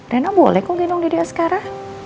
reina boleh kok gendong dada asgara